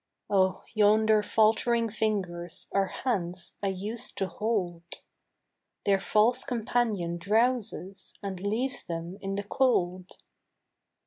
Oh, yonder faltering fingers Are hands I used to hold; Their false companion drowses And leaves them in the cold.